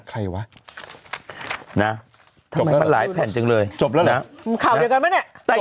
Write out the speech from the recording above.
ทำไมมันหลายแผ่นอยู่จริงเลย